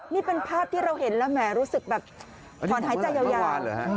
นี่เป็นภาพที่เราเห็นแล้วแหมรู้สึกแบบถอนหายใจยาว